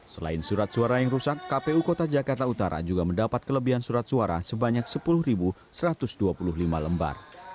selain surat suara yang rusak kpu kota jakarta utara juga mendapat kelebihan surat suara sebanyak sepuluh satu ratus dua puluh lima lembar